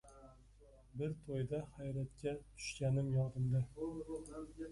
Bir to‘yda hayratga tushganim yodimda.